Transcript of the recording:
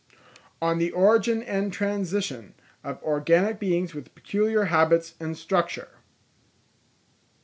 _On the Origin and Transition of Organic Beings with peculiar Habits and Structure.